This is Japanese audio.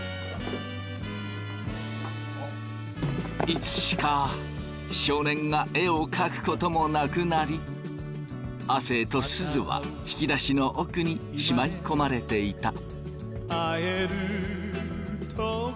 いつしか少年が絵を描くこともなくなり亜生とすずは引き出しの奥にしまいこまれていた。